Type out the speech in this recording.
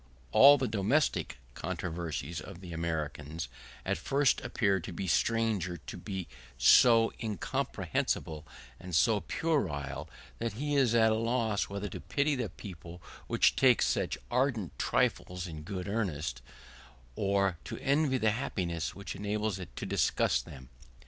All the domestic controversies of the Americans at first appear to a stranger to be so incomprehensible and so puerile that he is at a loss whether to pity a people which takes such arrant trifles in good earnest, or to envy the happiness which enables it to discuss them.